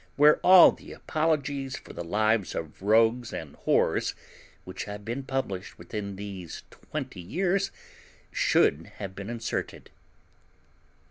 where all the apologies for the lives of rogues and whores which have been published within these twenty years should have been inserted.